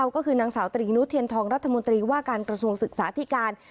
ก็คือนางสาวตรีนุเทียนทองรัฐมนตรีว่าการกระทรวงศึกษาธิการ